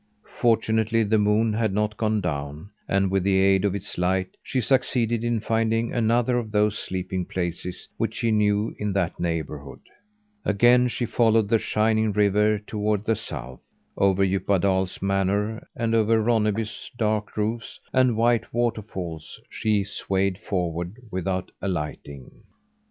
Fortunately, the moon had not gone down; and with the aid of its light, she succeeded in finding another of those sleeping places which she knew in that neighbourhood. Again she followed the shining river toward the south. Over Djupadal's manor, and over Ronneby's dark roofs and white waterfalls she swayed forward without alighting.